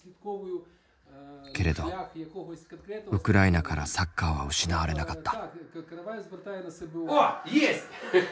けれどウクライナからサッカーは失われなかった。